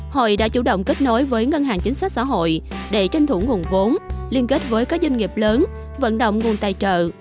hội đã chủ động kết nối với ngân hàng chính sách xã hội để tranh thủ nguồn vốn liên kết với các doanh nghiệp lớn vận động nguồn tài trợ